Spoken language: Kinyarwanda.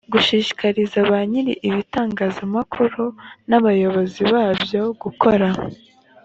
gushishikariza ba nyir ibitangazamakuru n abayobozi babyo gukora